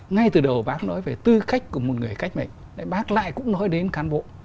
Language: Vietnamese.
ngay từ đầu bác nói về tư cách của một người cách mệnh bác lại cũng nói đến cán bộ